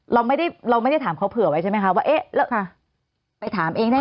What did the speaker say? เราไม่ได้เราไม่ได้ถามเขาเผื่อไว้ใช่ไหมคะว่าเอ๊ะแล้วค่ะไปถามเองได้ไหม